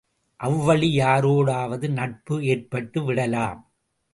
அவ்வழி யாரோடாவது நட்பு ஏற்பட்டு விடலாம்!